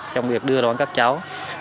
trong việc đưa đón các cháu